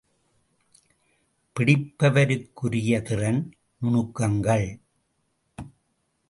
பிடிப்பவருக்குரிய திறன் நுணுக்கங்கள் ….